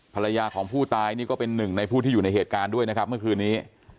ภรรยาของผู้ตายนี่ก็เป็นหนึ่งในผู้ที่อยู่ในเหตุการณ์ด้วยนะครับเมื่อคืนนี้